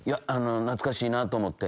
懐かしいなぁと思って。